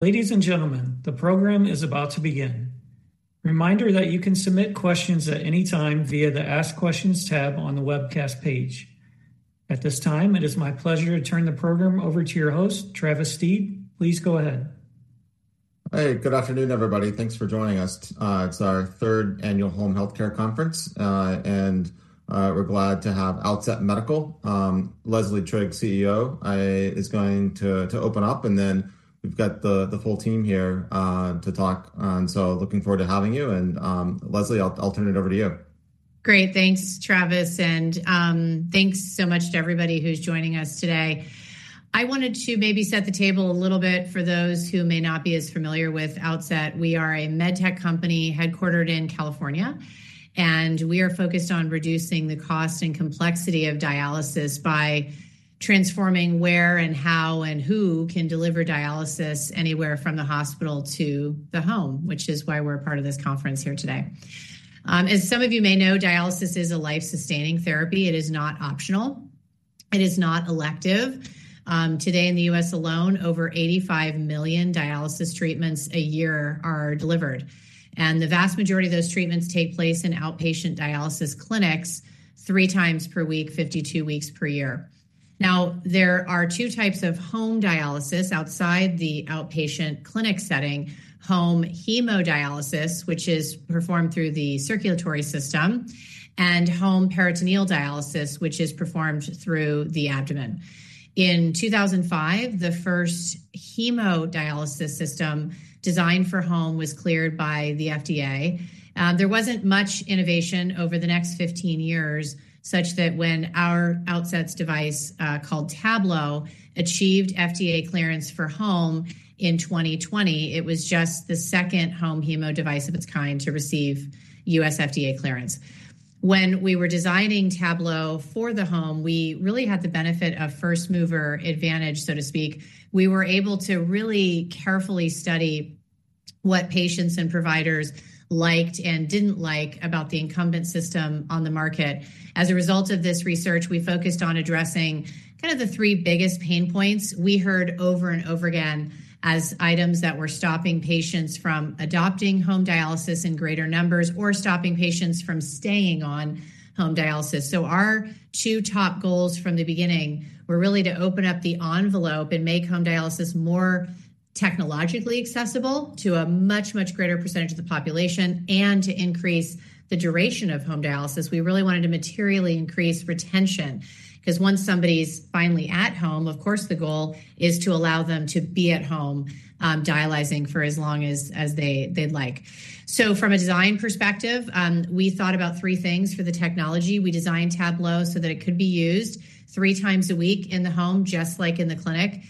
Ladies and gentlemen, the program is about to begin. Reminder that you can submit questions at any time via the Ask Questions tab on the webcast page. At this time, it is my pleasure to turn the program over to your host, Travis Steed. Please go ahead. Hey, good afternoon, everybody. Thanks for joining us. It's our third annual Home Healthcare Conference, and we're glad to have Outset Medical. Leslie Trigg, CEO, is going to open up, and then we've got the full team here to talk. So looking forward to having you, and Leslie, I'll turn it over to you. Great. Thanks, Travis, and thanks so much to everybody who's joining us today. I wanted to maybe set the table a little bit for those who may not be as familiar with Outset. We are a med tech company headquartered in California, and we are focused on reducing the cost and complexity of dialysis by transforming where and how and who can deliver dialysis anywhere from the hospital to the home, which is why we're a part of this conference here today. As some of you may know, dialysis is a life-sustaining therapy. It is not optional. It is not elective. Today in the U.S. alone, over 85 million dialysis treatments a year are delivered, and the vast majority of those treatments take place in outpatient dialysis clinics three times per week, 52 weeks per year. Now, there are two types of home dialysis outside the outpatient clinic setting: home hemodialysis, which is performed through the circulatory system, and home peritoneal dialysis, which is performed through the abdomen. In 2005, the first hemodialysis system designed for home was cleared by the FDA. There wasn't much innovation over the next 15 years, such that when our Outset's device, called Tablo, achieved FDA clearance for home in 2020, it was just the second home hemo device of its kind to receive US FDA clearance. When we were designing Tablo for the home, we really had the benefit of first-mover advantage, so to speak. We were able to really carefully study what patients and providers liked and didn't like about the incumbent system on the market. As a result of this research, we focused on addressing kind of the three biggest pain points we heard over and over again as items that were stopping patients from adopting home dialysis in greater numbers or stopping patients from staying on home dialysis. So our two top goals from the beginning were really to open up the envelope and make home dialysis more technologically accessible to a much, much greater percentage of the population and to increase the duration of home dialysis. We really wanted to materially increase retention, because once somebody's finally at home, of course, the goal is to allow them to be at home, dialyzing for as long as they'd like. So from a design perspective, we thought about three things for the technology. We designed Tablo so that it could be used 3 times a week in the home, just like in the clinic,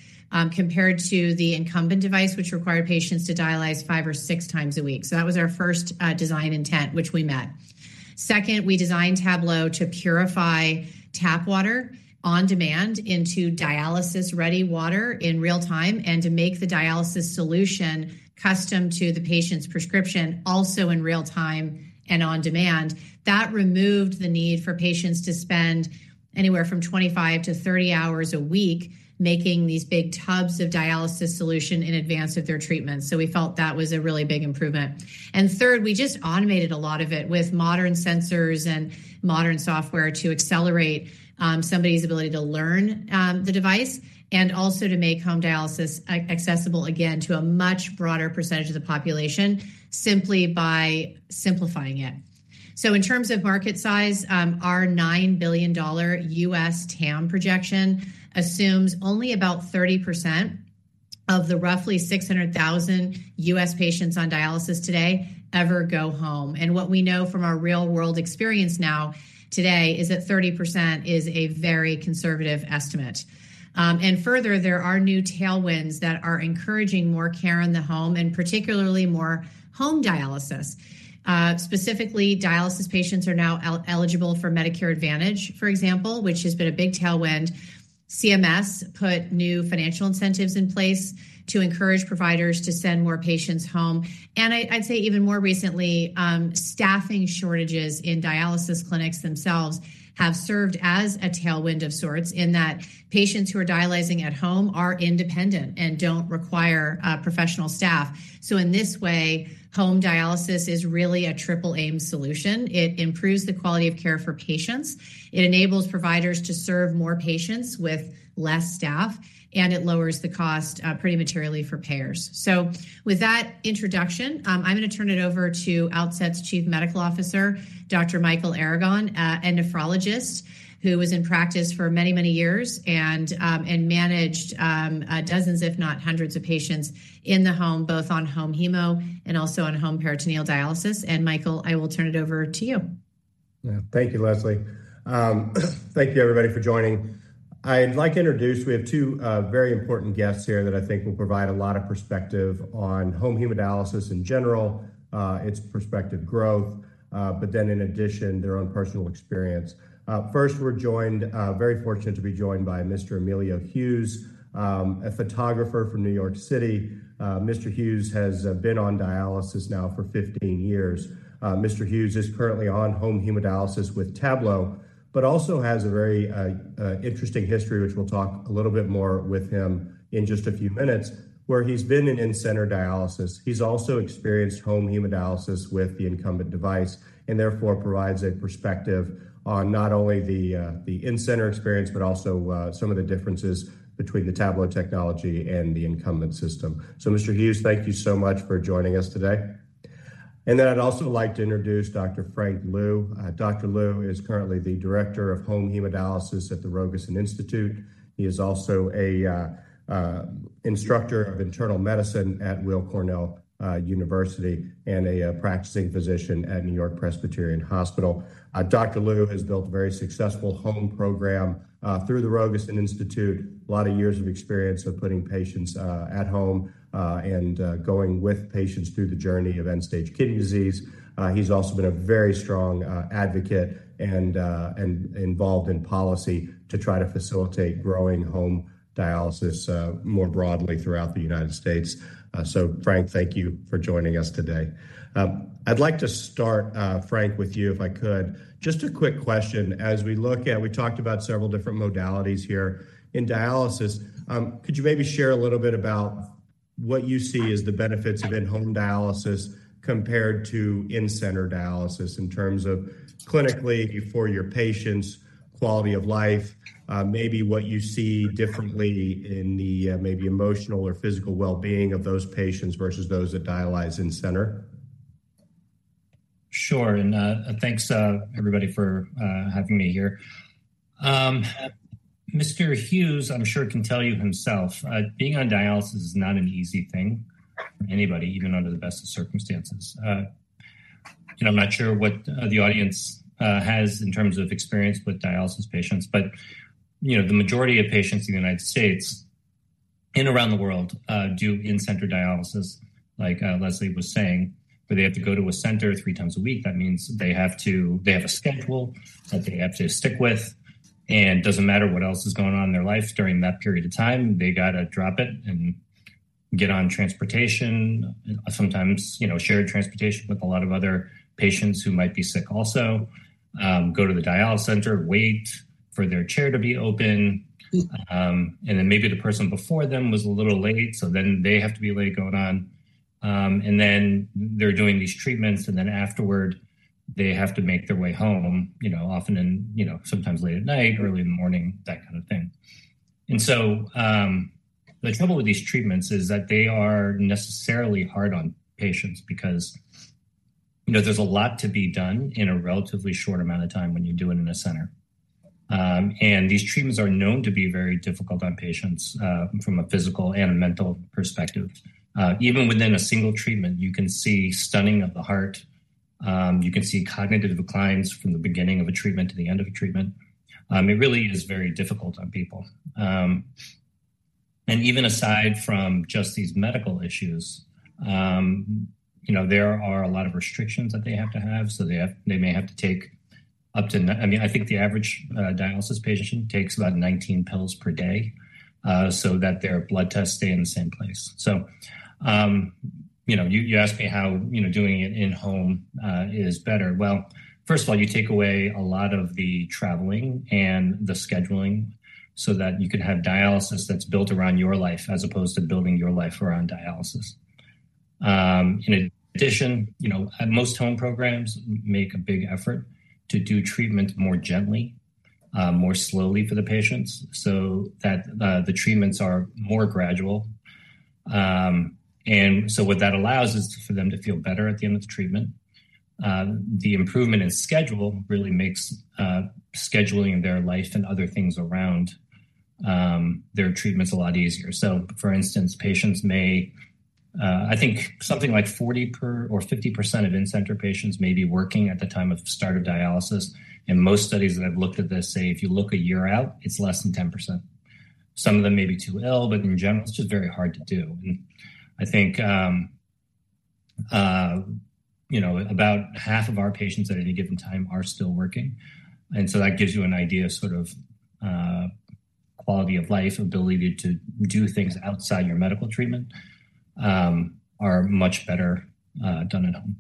compared to the incumbent device, which required patients to dialyze 5 or 6 times a week. So that was our first design intent, which we met. Second, we designed Tablo to purify tap water on demand into dialysis-ready water in real time and to make the dialysis solution custom to the patient's prescription also in real time and on demand. That removed the need for patients to spend anywhere from 25-30 hours a week making these big tubs of dialysis solution in advance of their treatment, so we felt that was a really big improvement. And third, we just automated a lot of it with modern sensors and modern software to accelerate somebody's ability to learn the device and also to make home dialysis accessible again to a much broader percentage of the population, simply by simplifying it. So in terms of market size, our $9 billion US TAM projection assumes only about 30% of the roughly 600,000 US patients on dialysis today ever go home. And what we know from our real-world experience now today is that 30% is a very conservative estimate. And further, there are new tailwinds that are encouraging more care in the home and particularly more home dialysis. Specifically, dialysis patients are now eligible for Medicare Advantage, for example, which has been a big tailwind. CMS put new financial incentives in place to encourage providers to send more patients home. And I'd say even more recently, staffing shortages in dialysis clinics themselves have served as a tailwind of sorts, in that patients who are dialyzing at home are independent and don't require professional staff. So in this way, home dialysis is really a triple-aim solution. It improves the quality of care for patients, it enables providers to serve more patients with less staff, and it lowers the cost pretty materially for payers. So with that introduction, I'm gonna turn it over to Outset's Chief Medical Officer, Dr. Michael Aragon, a nephrologist who was in practice for many, many years and managed dozens, if not hundreds of patients in the home, both on home hemo and also on home peritoneal dialysis. Michael, I will turn it over to you. Yeah. Thank you, Leslie. Thank you, everybody, for joining. I'd like to introduce. We have two very important guests here that I think will provide a lot of perspective on home hemodialysis in general, its prospective growth, but then in addition, their own personal experience. First, we're joined, very fortunate to be joined by Mr. Emilio Hughes, a photographer from New York City. Mr. Hughes has been on dialysis now for 15 years. Mr. Hughes is currently on home hemodialysis with Tablo but also has a very interesting history, which we'll talk a little bit more with him in just a few minutes, where he's been in in-center dialysis. He's also experienced home hemodialysis with the incumbent device and therefore provides a perspective on not only the in-center experience, but also some of the differences between the Tablo technology and the incumbent system. So, Mr. Hughes, thank you so much for joining us today. And then I'd also like to introduce Dr. Frank Liu. Dr. Liu is currently the director of home hemodialysis at the Rogosin Institute. He is also an instructor of internal medicine at Weill Cornell University and a practicing physician at NewYork-Presbyterian Hospital. Dr. Liu has built a very successful home program through the Rogosin Institute. A lot of years of experience of putting patients at home and going with patients through the journey of end-stage kidney disease. He's also been a very strong advocate and involved in policy to try to facilitate growing home dialysis more broadly throughout the United States. So Frank, thank you for joining us today. I'd like to start, Frank, with you if I could. Just a quick question. We talked about several different modalities here in dialysis. Could you maybe share a little bit about what you see as the benefits of in-home dialysis compared to in-center dialysis in terms of clinically for your patients, quality of life, maybe what you see differently in the, maybe emotional or physical well-being of those patients versus those that dialyze in-center? Sure, and thanks, everybody, for having me here. Mr. Hughes, I'm sure can tell you himself, being on dialysis is not an easy thing for anybody, even under the best of circumstances. I'm not sure what the audience has in terms of experience with dialysis patients. But, you know, the majority of patients in the United States and around the world do in-center dialysis, like Leslie was saying, where they have to go to a center three times a week. That means they have to they have a schedule that they have to stick with, and doesn't matter what else is going on in their life during that period of time, they gotta drop it and get on transportation. Sometimes, you know, shared transportation with a lot of other patients who might be sick also. Go to the dialysis center, wait for their chair to be open. And then maybe the person before them was a little late, so then they have to be late going on. And then they're doing these treatments, and then afterward, they have to make their way home, you know, often in, you know, sometimes late at night or early in the morning, that kind of thing. And so, the trouble with these treatments is that they are necessarily hard on patients because, you know, there's a lot to be done in a relatively short amount of time when you do it in a center. And these treatments are known to be very difficult on patients, from a physical and a mental perspective. Even within a single treatment, you can see stunning of the heart, you can see cognitive declines from the beginning of a treatment to the end of a treatment. It really is very difficult on people. Even aside from just these medical issues, you know, there are a lot of restrictions that they have to have. So they have they may have to take up to, I mean, I think the average dialysis patient takes about 19 pills per day, so that their blood tests stay in the same place. So, you know, you, you asked me how, you know, doing it in home is better. Well, first of all, you take away a lot of the traveling and the scheduling so that you can have dialysis that's built around your life as opposed to building your life around dialysis. In addition, you know, most home programs make a big effort to do treatment more gently, more slowly for the patients so that the treatments are more gradual. And so what that allows is for them to feel better at the end of the treatment. The improvement in schedule really makes scheduling their life and other things around their treatments a lot easier. So for instance, patients may, I think something like 40% or 50% of in-center patients may be working at the time of start of dialysis. In most studies that have looked at this, say if you look a year out, it's less than 10%. Some of them may be too ill, but in general, it's just very hard to do. I think, you know, about half of our patients at any given time are still working. So that gives you an idea of sort of quality of life, ability to do things outside your medical treatment, are much better done at home.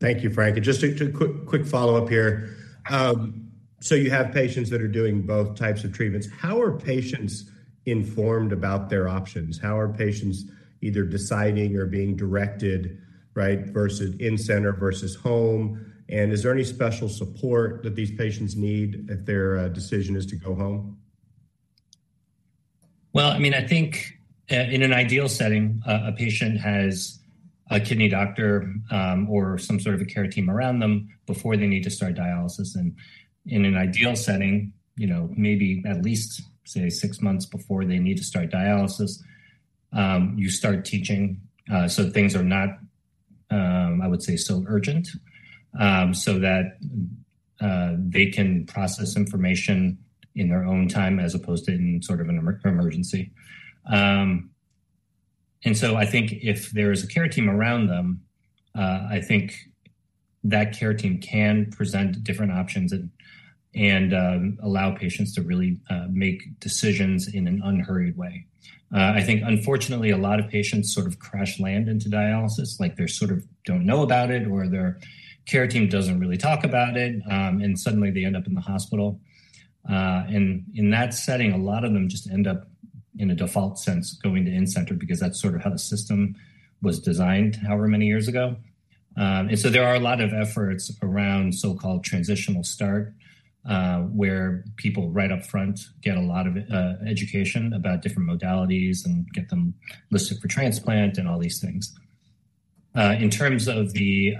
Thank you, Frank. Just a quick follow-up here. So you have patients that are doing both types of treatments. How are patients informed about their options? How are patients either deciding or being directed, right, versus in-center versus home? Is there any special support that these patients need if their decision is to go home? Well, I mean, I think in an ideal setting, a patient has a kidney doctor or some sort of a care team around them before they need to start dialysis. In an ideal setting, you know, maybe at least, say, six months before they need to start dialysis, you start teaching so things are not, I would say, so urgent. So that they can process information in their own time as opposed to in sort of an emergency. And so I think if there is a care team around them, I think that care team can present different options and allow patients to really make decisions in an unhurried way. I think unfortunately, a lot of patients sort of crash land into dialysis, like they sort of don't know about it, or their care team doesn't really talk about it, and suddenly they end up in the hospital. And in that setting, a lot of them just end up, in a default sense, going to in-center because that's sort of how the system was designed however many years ago.... And so there are a lot of efforts around so-called transitional start, where people right up front get a lot of, education about different modalities and get them listed for transplant and all these things. In terms of the,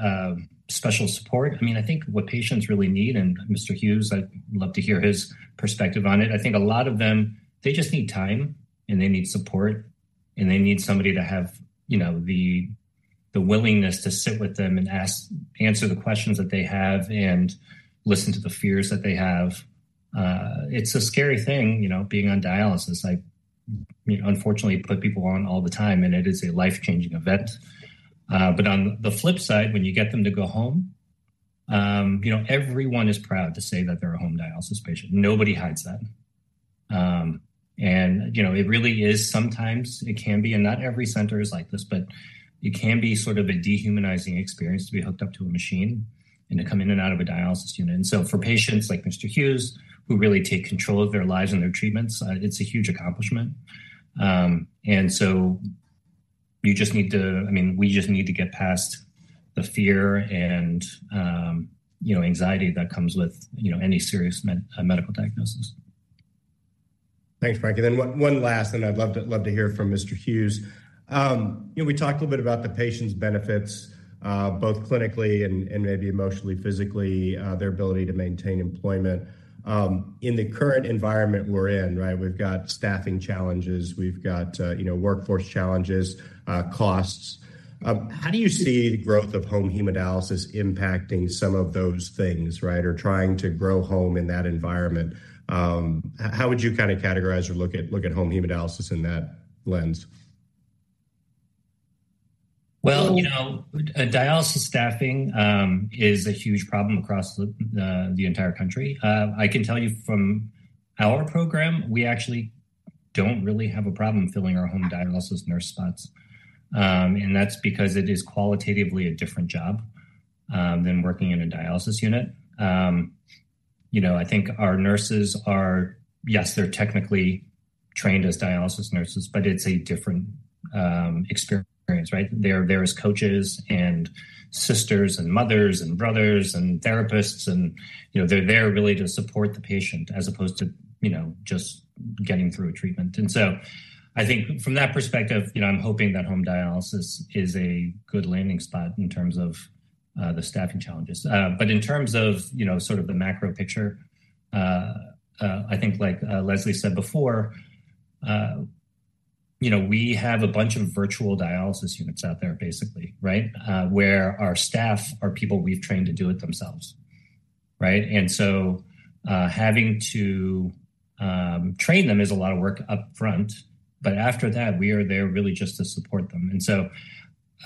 special support, I mean, I think what patients really need, and Mr. Hughes, I'd love to hear his perspective on it. I think a lot of them, they just need time, and they need support, and they need somebody to have, you know, the, the willingness to sit with them and answer the questions that they have and listen to the fears that they have. It's a scary thing, you know, being on dialysis. I, you know, unfortunately, put people on all the time, and it is a life-changing event. But on the flip side, when you get them to go home, you know, everyone is proud to say that they're a home dialysis patient. Nobody hides that. And, you know, it really is sometimes it can be, and not every center is like this, but it can be sort of a dehumanizing experience to be hooked up to a machine and to come in and out of a dialysis unit. And so for patients like Mr. Hughes, who really take control of their lives and their treatments, it's a huge accomplishment. And so you just need to, I mean, we just need to get past the fear and, you know, anxiety that comes with, you know, any serious medical diagnosis. Thanks, Frank. And then one last, and I'd love to hear from Mr. Hughes. You know, we talked a little bit about the patient's benefits, both clinically and maybe emotionally, physically, their ability to maintain employment. In the current environment we're in, right, we've got staffing challenges, we've got, you know, workforce challenges, costs. How do you see the growth of home hemodialysis impacting some of those things, right? Or trying to grow home in that environment? How would you kinda categorize or look at home hemodialysis in that lens? Well, you know, dialysis staffing is a huge problem across the entire country. I can tell you from our program, we actually don't really have a problem filling our home dialysis nurse spots. And that's because it is qualitatively a different job than working in a dialysis unit. You know, I think our nurses are... Yes, they're technically trained as dialysis nurses, but it's a different experience, right? They're as coaches and sisters and mothers and brothers and therapists and, you know, they're there really to support the patient as opposed to, you know, just getting through a treatment. And so I think from that perspective, you know, I'm hoping that home dialysis is a good landing spot in terms of the staffing challenges. But in terms of, you know, sort of the macro picture, I think like Leslie said before, you know, we have a bunch of virtual dialysis units out there, basically, right? Where our staff are people we've trained to do it themselves, right? And so, having to train them is a lot of work upfront, but after that, we are there really just to support them. And so,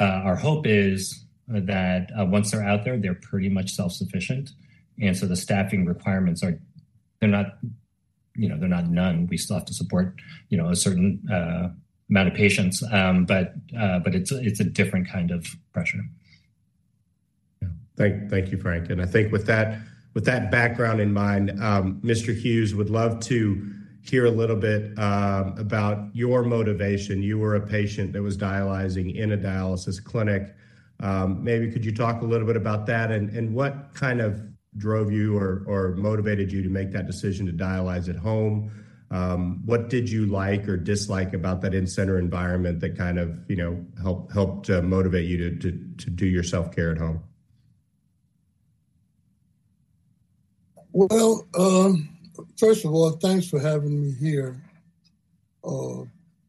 our hope is that once they're out there, they're pretty much self-sufficient. And so the staffing requirements are... They're not, you know, they're not none. We still have to support, you know, a certain amount of patients. But, but it's a, it's a different kind of pressure. Yeah. Thank you, Frank. And I think with that background in mind, Mr. Hughes, I would love to hear a little bit about your motivation. You were a patient that was dialyzing in a dialysis clinic. Maybe could you talk a little bit about that? And what kind of drove you or motivated you to make that decision to dialyze at home? What did you like or dislike about that in-center environment that kind of, you know, helped motivate you to do your self-care at home? Well, first of all, thanks for having me here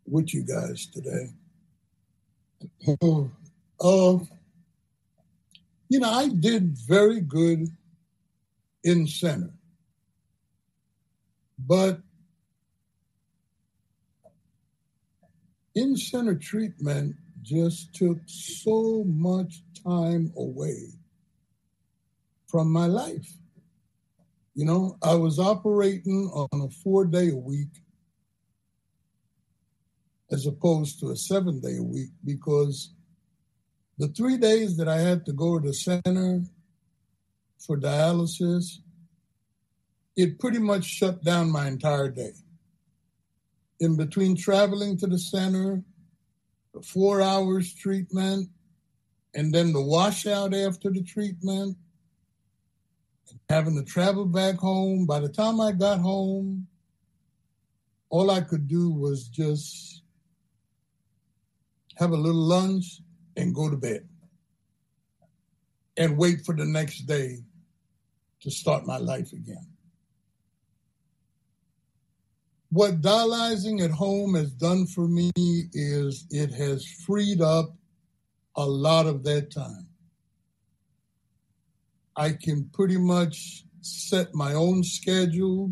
with you guys today. You know, I did very good in-center, but in-center treatment just took so much time away from my life. You know, I was operating on a 4-day a week as opposed to a 7-day a week, because the 3 days that I had to go to center for dialysis, it pretty much shut down my entire day. In between traveling to the center, the 4 hours treatment, and then the washout after the treatment, and having to travel back home, by the time I got home, all I could do was just have a little lunch and go to bed and wait for the next day to start my life again. What dialyzing at home has done for me is it has freed up a lot of that time. I can pretty much set my own schedule,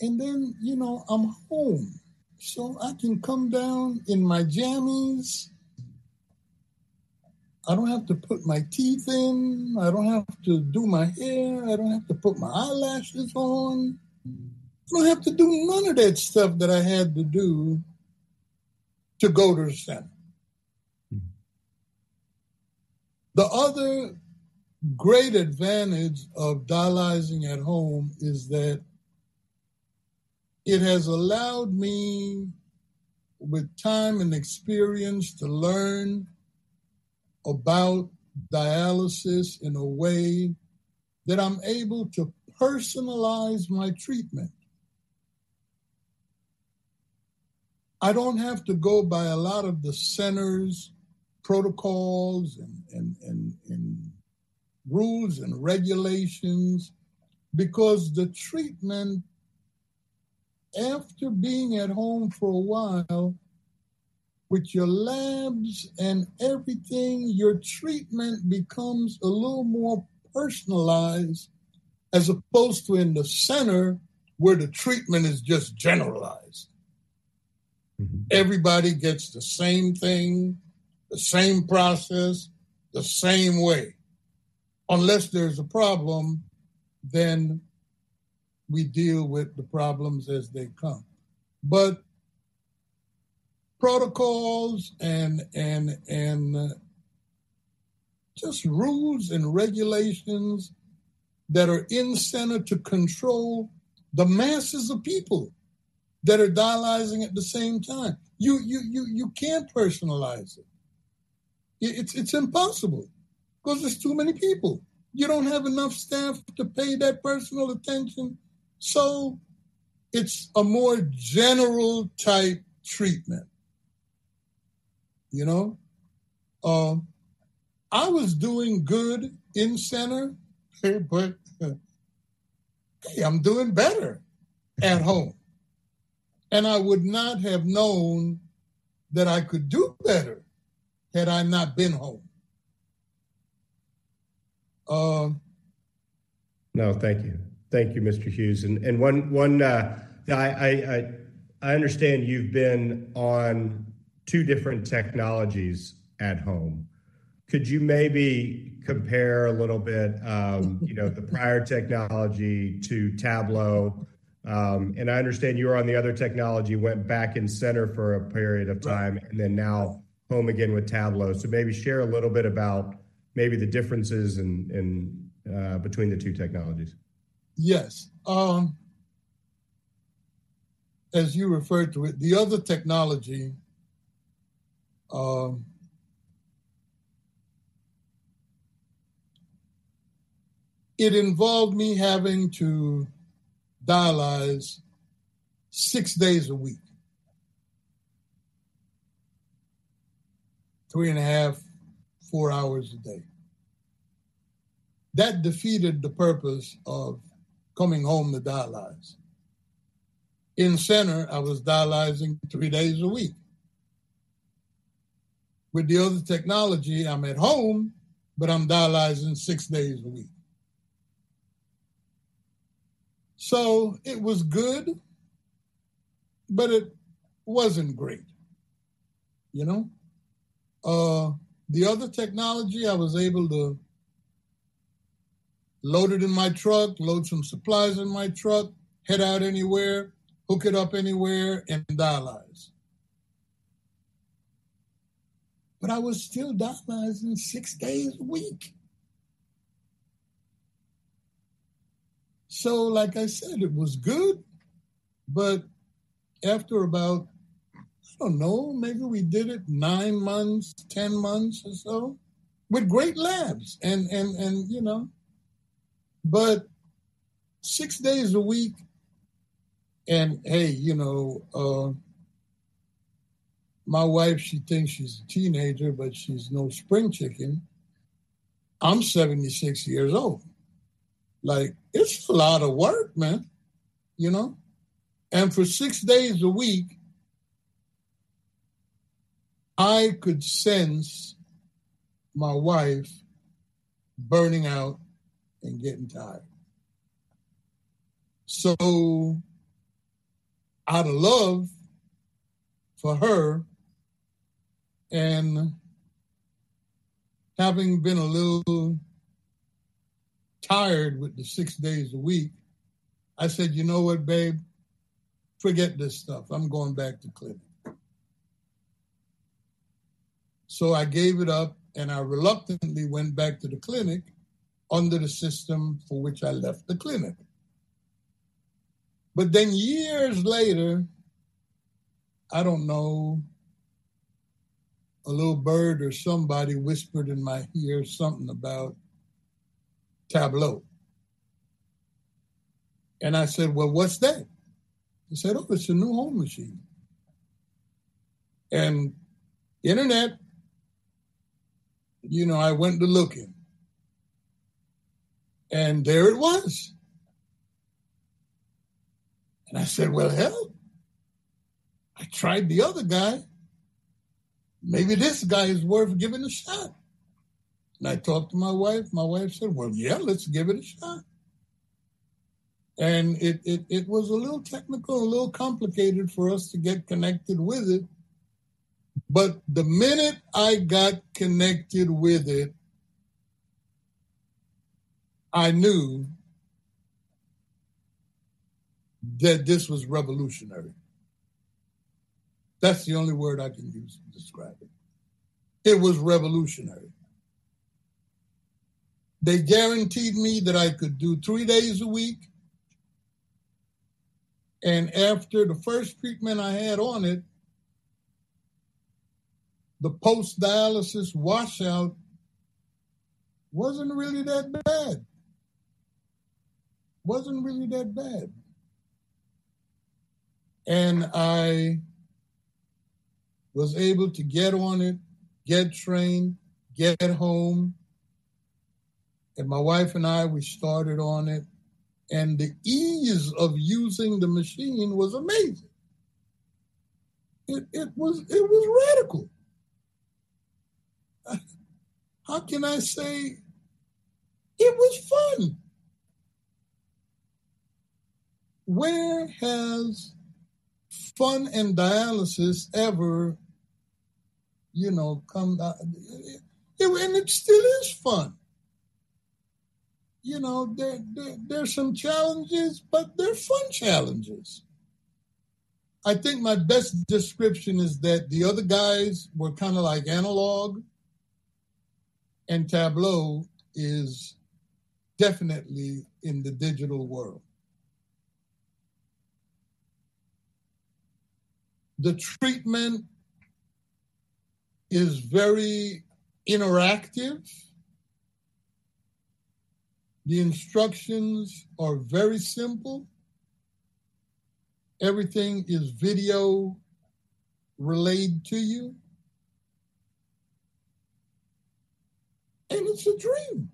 and then, you know, I'm home, so I can come down in my jammies. I don't have to put my teeth in, I don't have to do my hair, I don't have to put my eyelashes on. I don't have to do none of that stuff that I had to do to go to the center. Mm-hmm. The other great advantage of dialyzing at home is that it has allowed me, with time and experience, to learn about dialysis in a way that I'm able to personalize my treatment. I don't have to go by a lot of the center's protocols and rules and regulations, because the treatment, after being at home for a while, with your labs and everything, your treatment becomes a little more personalized, as opposed to in the center, where the treatment is just generalized. Mm-hmm. Everybody gets the same thing, the same process, the same way. Unless there's a problem, then we deal with the problems as they come. But protocols and just rules and regulations that are in center to control the masses of people that are dialyzing at the same time, you can't personalize it. It's impossible 'cause there's too many people. You don't have enough staff to pay that personal attention, so it's a more general type treatment, you know? I was doing good in center, okay, but, hey, I'm doing better at home. And I would not have known that I could do better had I not been home. No, thank you. Thank you, Mr. Hughes. I understand you've been on two different technologies at home. Could you maybe compare a little bit, you know, the prior technology to Tablo? And I understand you were on the other technology, went back in center for a period of time Right and then now home again with Tablo. So maybe share a little bit about maybe the differences in between the two technologies. Yes. As you referred to it, the other technology, it involved me having to dialyze six days a week, three and a half, four hours a day. That defeated the purpose of coming home to dialyze. In-center, I was dialyzing three days a week. With the other technology, I'm at home, but I'm dialyzing six days a week. So it was good, but it wasn't great, you know? The other technology, I was able to load it in my truck, load some supplies in my truck, head out anywhere, hook it up anywhere and dialyze. But I was still dialyzing six days a week. So like I said, it was good, but after about, I don't know, maybe we did it nine months, 10 months or so, with great labs and, you know. But six days a week and, hey, you know, my wife, she thinks she's a teenager, but she's no spring chicken. I'm 76 years old. Like, it's a lot of work, man, you know? And for six days a week, I could sense my wife burning out and getting tired. So out of love for her, and having been a little tired with the six days a week, I said, "You know what, babe? Forget this stuff. I'm going back to clinic." So I gave it up, and I reluctantly went back to the clinic under the system for which I left the clinic. But then years later, I don't know, a little bird or somebody whispered in my ear something about Tablo. And I said, "Well, what's that?" He said, "Oh, it's a new home machine." And internet, you know, I went to looking, and there it was. And I said, "Well, hell, I tried the other guy. Maybe this guy is worth giving a shot." And I talked to my wife. My wife said, "Well, yeah, let's give it a shot." And it was a little technical, a little complicated for us to get connected with it, but the minute I got connected with it, I knew that this was revolutionary. That's the only word I can use to describe it. It was revolutionary. They guaranteed me that I could do three days a week. And after the first treatment I had on it, the post-dialysis washout wasn't really that bad. Wasn't really that bad. And I was able to get on it, get trained, get home, and my wife and I, we started on it, and the ease of using the machine was amazing. It was radical. How can I say? It was fun! Where has fun and dialysis ever, you know, come out... And it still is fun. You know, there, there's some challenges, but they're fun challenges. I think my best description is that the other guys were kinda like analog, and Tablo is definitely in the digital world. The treatment is very interactive. The instructions are very simple. Everything is video relayed to you. And it's a dream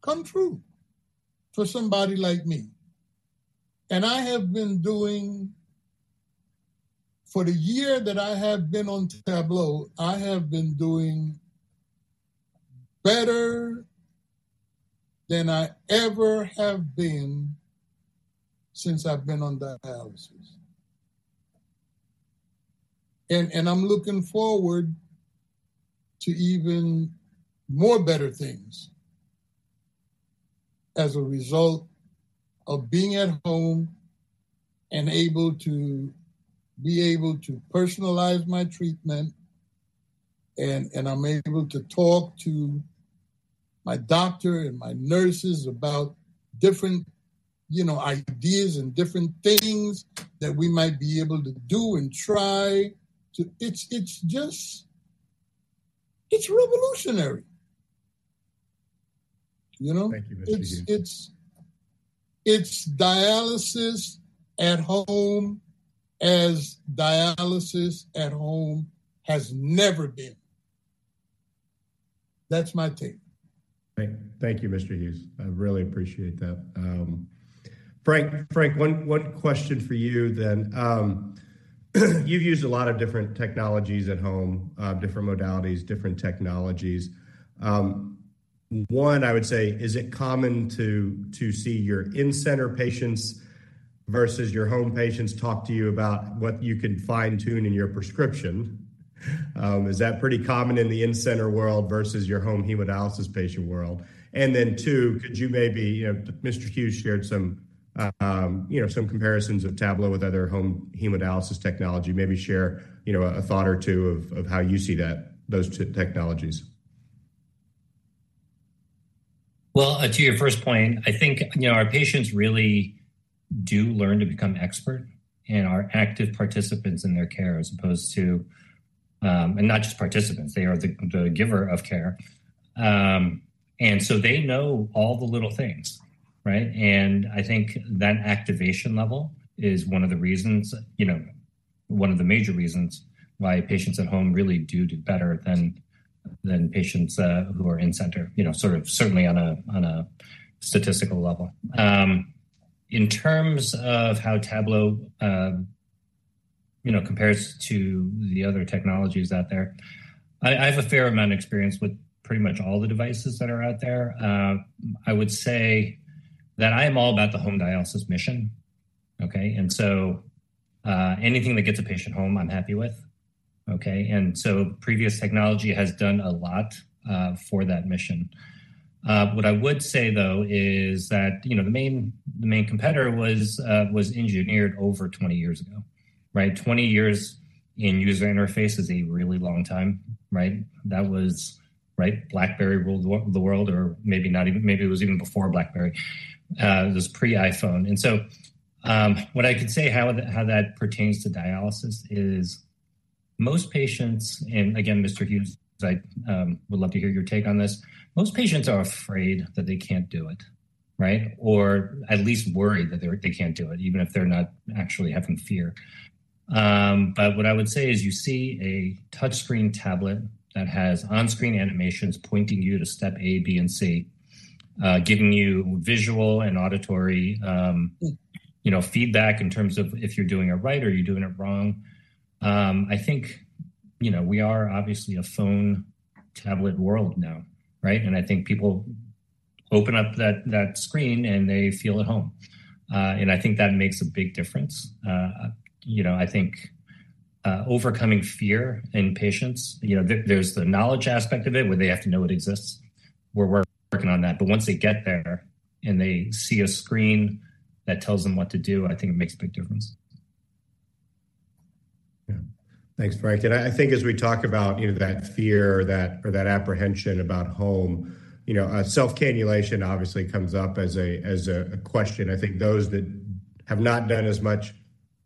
come true for somebody like me. And I have been doing. For the year that I have been on Tablo, I have been doing better than I ever have been since I've been on dialysis. I'm looking forward to even more better things as a result of being at home and able to personalize my treatment, and I'm able to talk to my doctor and my nurses about different, you know, ideas and different things that we might be able to do and try to. It's just revolutionary. You know? Thank you, Mr. Hughes. It's dialysis at home as dialysis at home has never been. That's my take. Thank you, Mr. Hughes. I really appreciate that. Frank, one question for you then. You've used a lot of different technologies at home, different modalities, different technologies. One, I would say, is it common to see your in-center patients versus your home patients talk to you about what you can fine-tune in your prescription? Is that pretty common in the in-center world versus your home hemodialysis patient world? And then two, could you maybe, you know, Mr. Hughes shared some, you know, some comparisons of Tablo with other home hemodialysis technology. Maybe share, you know, a thought or two of how you see that, those two technologies. Well, to your first point, I think, you know, our patients really do learn to become expert and are active participants in their care as opposed to, and not just participants, they are the giver of care. And so they know all the little things, right? And I think that activation level is one of the reasons, you know, one of the major reasons why patients at home really do do better than patients who are in-center, you know, sort of certainly on a statistical level. In terms of how Tablo, you know, compares to the other technologies out there, I have a fair amount of experience with pretty much all the devices that are out there. I would say that I am all about the home dialysis mission, okay? And so, anything that gets a patient home, I'm happy with, okay? And so previous technology has done a lot, for that mission. What I would say, though, is that, you know, the main, the main competitor was, was engineered over 20 years ago, right? 20 years in user interface is a really long time, right? That was, right, BlackBerry ruled the world, or maybe not even, maybe it was even before BlackBerry. It was pre-iPhone. And so, what I could say how, how that pertains to dialysis is most patients, and again, Mr. Hughes, I, would love to hear your take on this. Most patients are afraid that they can't do it, right? Or at least worried that they, they can't do it, even if they're not actually having fear. But what I would say is you see a touchscreen tablet that has on-screen animations pointing you to step A, B, and C, giving you visual and auditory, you know, feedback in terms of if you're doing it right or you're doing it wrong. I think, you know, we are obviously a phone, tablet world now, right? And I think people open up that, that screen, and they feel at home. And I think that makes a big difference. You know, I think, overcoming fear in patients, you know, there's the knowledge aspect of it, where they have to know it exists. We're working on that. But once they get there, and they see a screen that tells them what to do, I think it makes a big difference. Thanks, Frank. And I think as we talk about, you know, that fear, that, or that apprehension about home, you know, self-cannulation obviously comes up as a question. I think those that have not done as much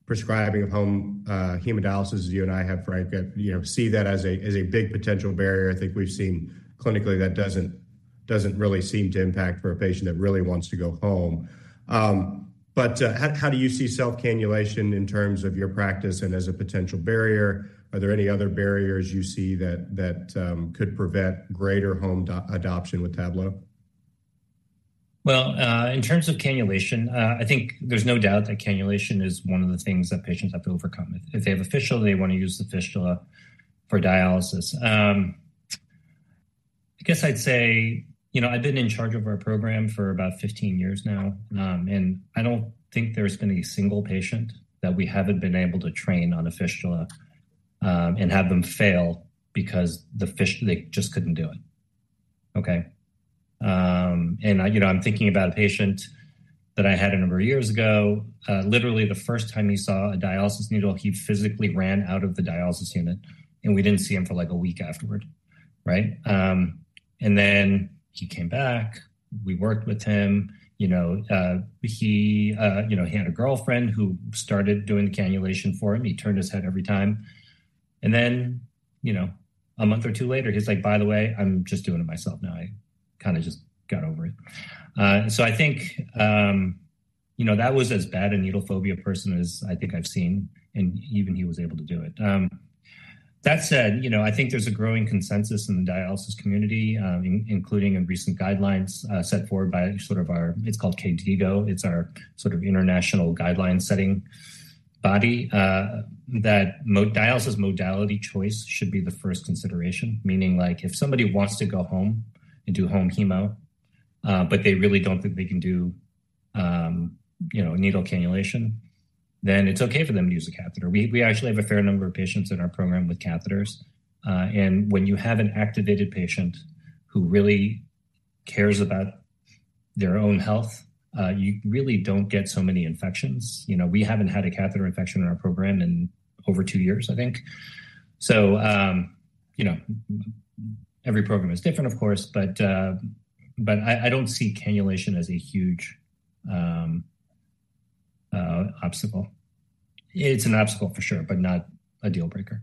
prescribing of home hemodialysis as you and I have, Frank, you know, see that as a big potential barrier. I think we've seen clinically that doesn't really seem to impact for a patient that really wants to go home. But how do you see self-cannulation in terms of your practice and as a potential barrier? Are there any other barriers you see that could prevent greater home adoption with Tablo? Well, I think there's no doubt that cannulation is one of the things that patients have to overcome. If they have a fistula, they want to use the fistula for dialysis. I guess I'd say, you know, I've been in charge of our program for about 15 years now, and I don't think there's been a single patient that we haven't been able to train on a fistula, and have them fail because they just couldn't do it. Okay? And I, you know, I'm thinking about a patient that I had a number of years ago, literally, the first time he saw a dialysis needle, he physically ran out of the dialysis unit, and we didn't see him for, like, a week afterward. Right? And then he came back. We worked with him, you know, he, you know, he had a girlfriend who started doing the cannulation for him. He turned his head every time. And then, you know, a month or two later, he's like: "By the way, I'm just doing it myself now. I kinda just got over it." and so I think, you know, that was as bad a needle phobia person as I think I've seen, and even he was able to do it. That said, you know, I think there's a growing consensus in the dialysis community, including in recent guidelines, set forward by sort of our... It's called KDIGO. It's our sort of international guideline-setting body, that dialysis modality choice should be the first consideration. Meaning like, if somebody wants to go home and do home hemo, but they really don't think they can do, you know, needle cannulation, then it's okay for them to use a catheter. We actually have a fair number of patients in our program with catheters. And when you have an activated patient who really cares about their own health, you really don't get so many infections. You know, we haven't had a catheter infection in our program in over two years, I think. So, you know, every program is different, of course, but I don't see cannulation as a huge obstacle. It's an obstacle for sure, but not a deal breaker.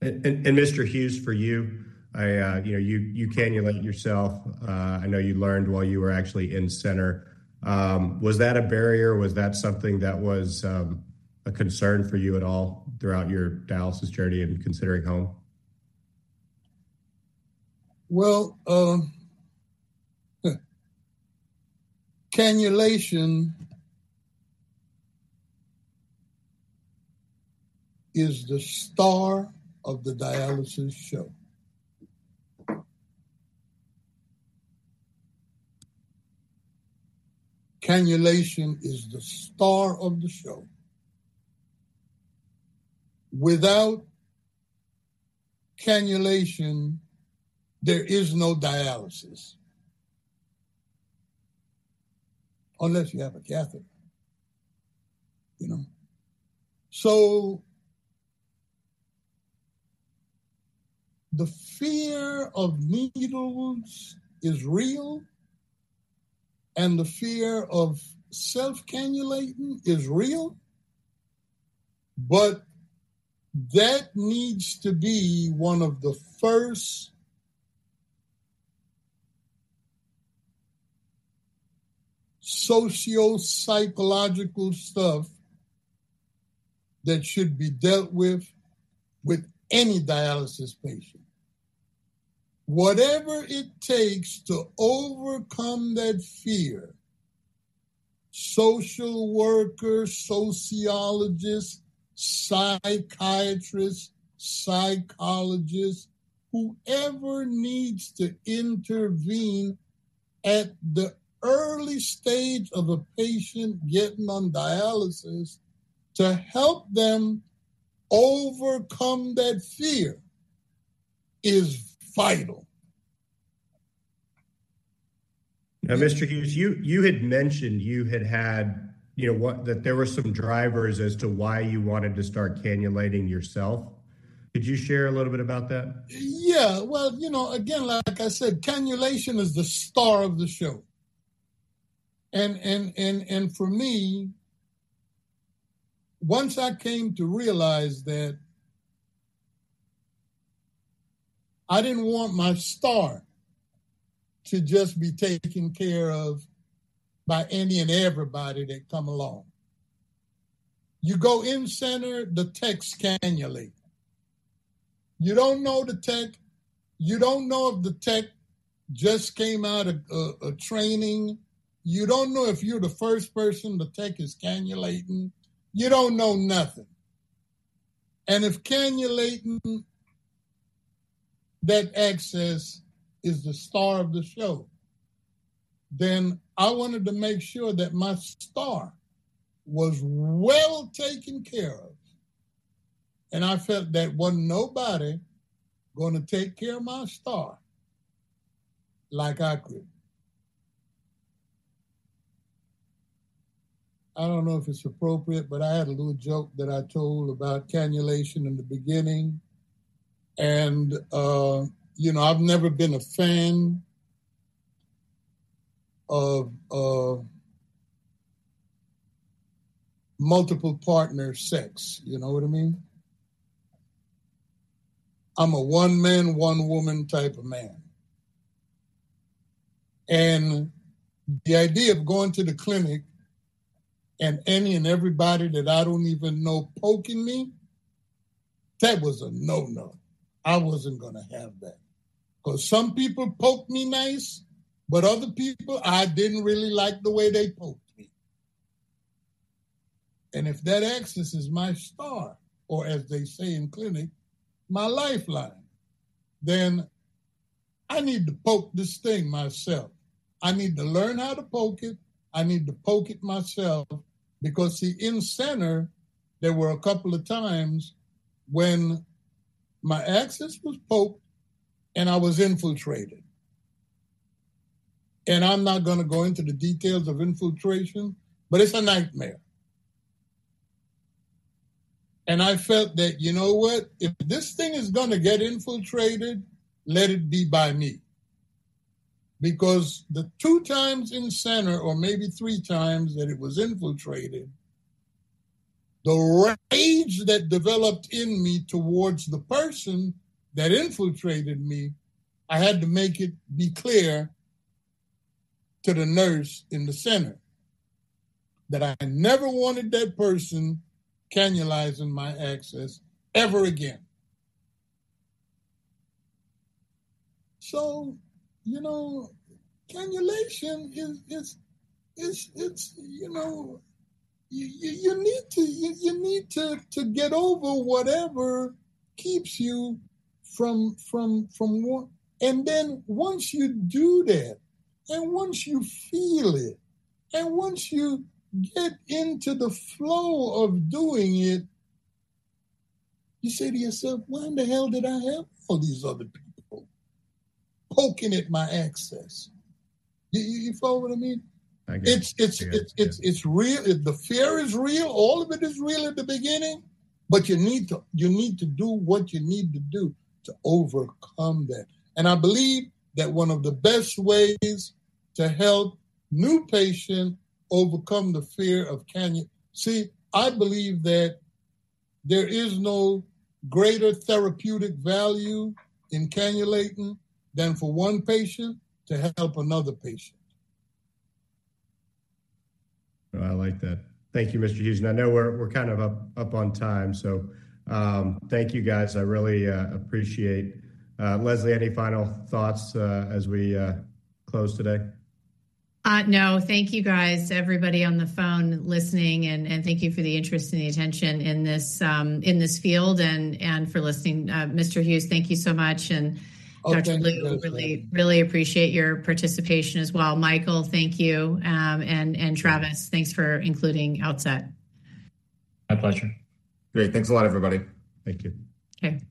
And Mr. Hughes, for you, I, you know, you cannulate yourself. I know you learned while you were actually in-center. Was that a barrier, or was that something that was a concern for you at all throughout your dialysis journey and considering home? Well, cannulation is the star of the dialysis show. Cannulation is the star of the show. Without cannulation, there is no dialysis, unless you have a catheter, you know? So the fear of needles is real, and the fear of self-cannulating is real, but that needs to be one of the first sociopsychological stuff that should be dealt with, with any dialysis patient. Whatever it takes to overcome that fear, social workers, sociologists, psychiatrists, psychologists, whoever needs to intervene at the early stage of a patient getting on dialysis to help them overcome that fear is vital. Now, Mr. Hughes, you had mentioned, you know, that there were some drivers as to why you wanted to start cannulating yourself. Could you share a little bit about that? Yeah. Well, you know, again, like I said, cannulation is the star of the show. And for me, once I came to realize that I didn't want my star to just be taken care of by any and everybody that come along. You go in center, the techs cannulate. You don't know the tech. You don't know if the tech just came out of a training. You don't know if you're the first person the tech is cannulating. You don't know nothing. And if cannulating that access is the star of the show, then I wanted to make sure that my star was well taken care of, and I felt that wasn't nobody gonna take care of my star like I could. I don't know if it's appropriate, but I had a little joke that I told about cannulation in the beginning, and, you know, I've never been a fan of, of multiple partner sex. You know what I mean? I'm a one-man, one-woman type of man. And the idea of going to the clinic and any and everybody that I don't even know poking me, that was a no, no. I wasn't gonna have that. Because some people poked me nice, but other people, I didn't really like the way they poked me. And if that access is my star, or as they say in clinic, my lifeline, then I need to poke this thing myself. I need to learn how to poke it. I need to poke it myself, because, see, in center, there were a couple of times when my access was poked, and I was infiltrated. I'm not gonna go into the details of infiltration, but it's a nightmare. I felt that, you know what? If this thing is gonna get infiltrated, let it be by me. Because the 2 times in-center, or maybe 3 times, that it was infiltrated, the rage that developed in me towards the person that infiltrated me, I had to make it be clear to the nurse in the center that I never wanted that person cannulating my access ever again. So, you know, cannulation is, it's... You know, you need to get over whatever keeps you from wanting. And then once you do that, and once you feel it, and once you get into the flow of doing it, you say to yourself, "Why in the hell did I ask for these other people poking at my access?" Do you follow what I mean? I get it. It's real. The fear is real. All of it is real at the beginning, but you need to do what you need to do to overcome that. And I believe that one of the best ways to help new patients overcome the fear of cannulating. See, I believe that there is no greater therapeutic value in cannulating than for one patient to help another patient. I like that. Thank you, Mr. Hughes. And I know we're kind of up on time, so thank you, guys. I really appreciate. Leslie, any final thoughts as we close today? No. Thank you, guys, everybody on the phone listening, and thank you for the interest and the attention in this field and for listening. Mr. Hughes, thank you so much, and- Oh, thank you. Dr. Liu, really, really appreciate your participation as well. Michael, thank you. Travis, thanks for including Outset. My pleasure. Great. Thanks a lot, everybody. Thank you. Okay, bye.